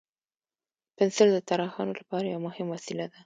پنسل د طراحانو لپاره یو مهم وسیله ده.